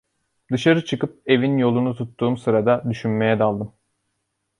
Dışarı çıkıp evin yolunu tuttuğum sırada düşünmeye daldım.